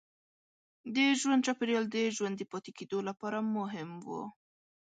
د ژوند چاپېریال د ژوندي پاتې کېدو لپاره مهم و.